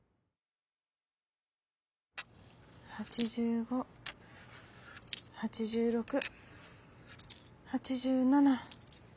「８５８６８７。